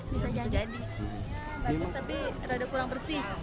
bagus tapi agak kurang bersih